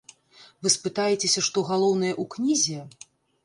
Вы спытаецеся, што галоўнае ў кнізе?